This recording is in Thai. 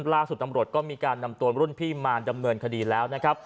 ล่าสุดตำรวจก็มีการนำตัวรุ่นพี่มาดำเนินคดีแล้วนะครับ